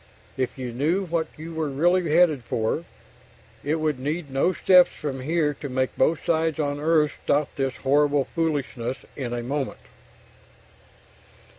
If you knew what you were really headed for, it would need no steps from here to make both sides on Earth stop this horrible foolishness in a moment.